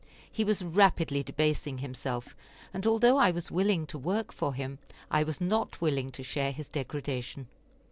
He was rapidly debasing himself, and although I was willing to work for him, I was not willing to share his degradation.